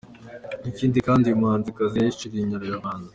Ikindi kandi uyu muhanzikazi yahishuriye Inyarwanda.